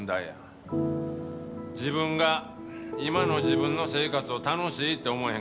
自分が今の自分の生活を楽しいって思え